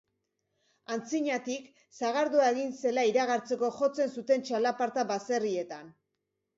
Antzinatik, sagardoa egin zela iragartzeko jotzen zuten txalaparta baserrietan.